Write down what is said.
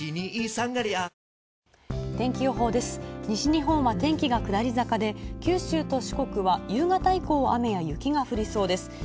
西日本は天気が下り坂で、九州と四国は夕方以降、雨や雪が降りそうです。